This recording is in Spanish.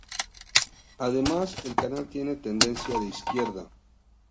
Además, el canal tiene tendencia de izquierda.